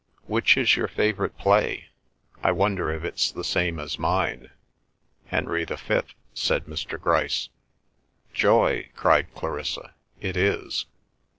"Which is your favourite play? I wonder if it's the same as mine?" "Henry the Fifth," said Mr. Grice. "Joy!" cried Clarissa. "It is!"